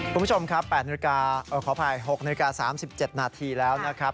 คุณผู้ชมครับ๘นาฬิกาขออภัย๖นาฬิกา๓๗นาทีแล้วนะครับ